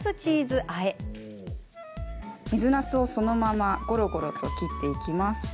水なすを、そのままごろごろと切っていきます。